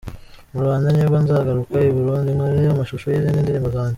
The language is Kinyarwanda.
mu Rwanda nibwo nzagaruka i Burundi nkore amashusho yizindi ndirimbo zanjye.